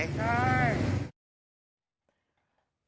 ใช่